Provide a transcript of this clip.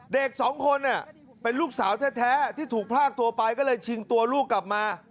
เด็กสองคนเป็นลูกสาวแท้ที่ถูกพลากตัวไปก็เลยชิงตัวลูกกลับมา